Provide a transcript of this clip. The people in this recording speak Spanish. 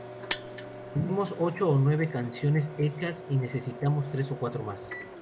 Tenemos ocho o nueve canciones hechas, y necesitamos tres o cuatro más.